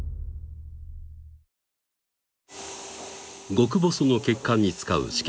極細の血管に使う止血